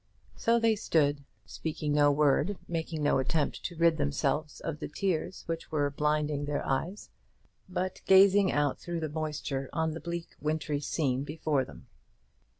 So they stood, speaking no word, making no attempt to rid themselves of the tears which were blinding their eyes, but gazing out through the moisture on the bleak wintry scene before them.